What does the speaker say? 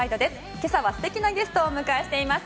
今朝は素敵なゲストをお迎えしています。